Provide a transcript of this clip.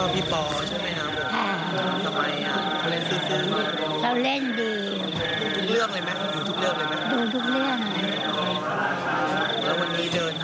ไปยังไงครับ